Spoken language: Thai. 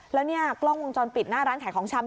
แล้วเนี่ยกล้องวงจรปิดหน้าร้านขายของชำ